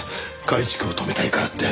改築を止めたいからって。